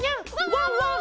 ワンワン！